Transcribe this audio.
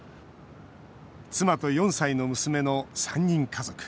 妻と４歳の娘の３人家族。